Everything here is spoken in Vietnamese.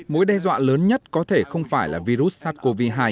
mối đe dọa lớn nhất có thể không phải là virus sars cov hai